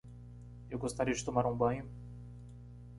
Eu gostaria de tomar um banho.